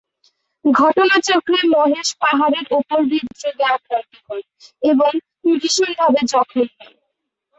ঘটনাচক্রে মহেশ পাহাড়ের ওপর হৃদরোগে আক্রান্ত হন এবং ভীষণভাবে জখম হন।